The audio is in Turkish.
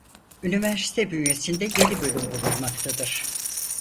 Üniversite bünyesinde yedi bölüm bulunmaktadır.